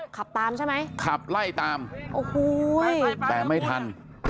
ขับตามใช่ไหมขับไล่ตามโอ้โหแต่ไม่ทัน